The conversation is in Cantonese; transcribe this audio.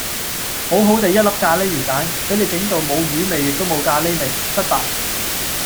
好好哋一粒咖喱魚蛋，俾你整到冇魚味亦都冇咖喱味，失敗